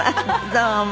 どうも。